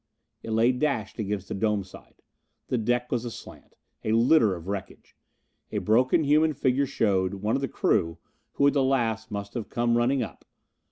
It lay dashed against the dome side. The deck was aslant. A litter of wreckage. A broken human figure showed one of the crew, who at the last must have come running up.